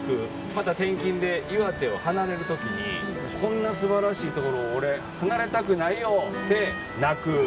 また転勤で岩手を離れる時にこんな素晴らしいところを俺、離れたくないよって泣く。